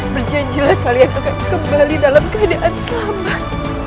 berjanjilah kalian akan kembali dalam keadaan selamat